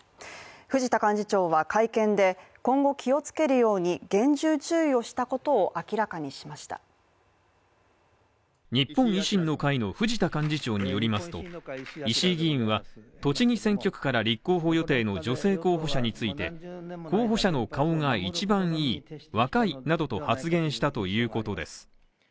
藤田幹事長は会見で、今後気をつけるように厳重注意をしたことを明らかにしました日本維新の会の藤田幹事長によりますと、石井議員は栃木選挙区から立候補予定の女性候補者について、候補者の顔が一番いい若いなどと発言したということです。